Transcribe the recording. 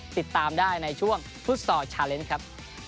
ติดตามได้ในช่วงฟุตซอร์ชาเลนส์ครับ